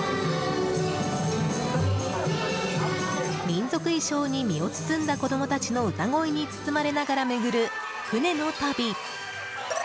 民族衣装に身を包んだ子供たちの歌声に包まれながら巡る船の旅。